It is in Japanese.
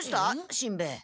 しんべヱ。